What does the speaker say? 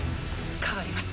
代わります。